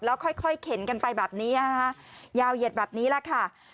แล้วค่อยเข็นกันไปแบบนี้นะคะยาวเหยียดแบบนี้แหละค่ะ